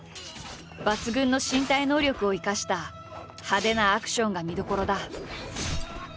抜群の身体能力を生かした派手なアクションが見どころだ。